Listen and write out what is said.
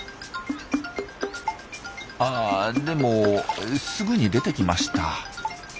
あでもすぐに出てきました。